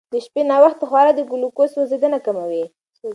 د شپې ناوخته خورا د ګلوکوز سوځېدنه کموي.